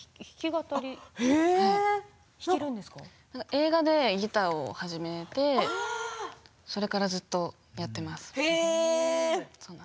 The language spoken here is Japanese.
映画でギターを始めてそれからずっとやっています。